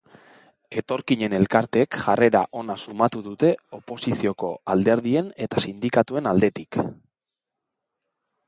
Etorkinen elkarteek jarrera ona sumatu dute oposizioko alderdien eta sindikatuen aldetik.